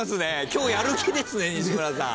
今日やる気ですね西村さん。